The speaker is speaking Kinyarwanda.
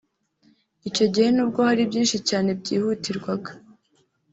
Icyo gihe n’ubwo hari byinshi cyane byihutirwaga